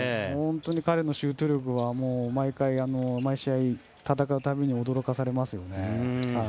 彼のシュート力は毎試合、戦う度に驚かされますよね。